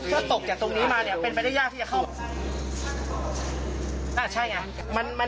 ถ้าตกจากตรงนี้มาเนี่ยเป็นไม่ได้ยากที่จะเข้า